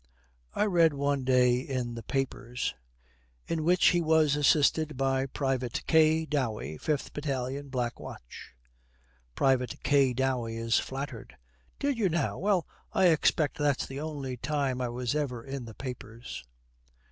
'I read one day in the papers, "In which, he was assisted by Private K. Dowey, 5th Battalion, Black Watch."' Private K. Dowey is flattered, 'Did you, now! Well, I expect that's the only time I was ever in the papers.'